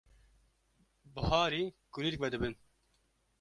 Buharî kulîlk vedibin.